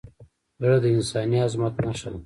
زړه د انساني عظمت نښه ده.